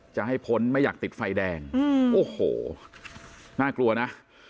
จะให้พ้นไม่อยากติดไฟแดงโอ้โหน่ากลัวนะ